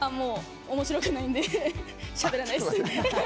おもしろくないんでしゃべらないです。